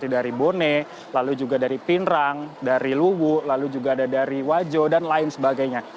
dari bone lalu juga dari pinerang dari luwu lalu juga ada dari wajo dan lain sebagainya